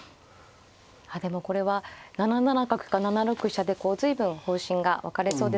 ああでもこれは７七角か７六飛車で随分方針が分かれそうですが今。